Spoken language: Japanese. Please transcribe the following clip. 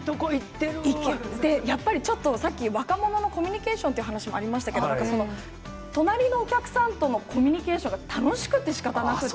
やっぱりちょっと、さっき、若者のコミュニケーションっていう話もありましたけれども、隣のお客さんとのコミュニケーションが楽しくてしかたなくて。